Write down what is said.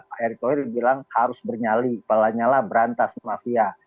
pak erick thohir bilang harus bernyali pak lanyala berantas mafia